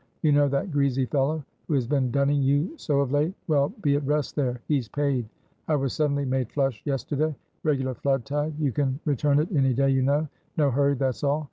You know that greasy fellow who has been dunning you so of late. Well, be at rest there; he's paid. I was suddenly made flush yesterday: regular flood tide. You can return it any day, you know no hurry; that's all.